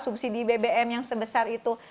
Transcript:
subsidi bbm yang sebesar itu